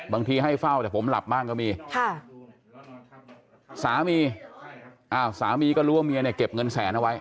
ให้เฝ้าแต่ผมหลับบ้างก็มีค่ะสามีอ้าวสามีสามีก็รู้ว่าเมียเนี่ยเก็บเงินแสนเอาไว้